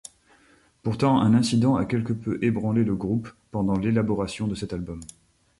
Pourtant, un incident a quelque peu ébranlé le groupe pendant l'élaboration de cet album.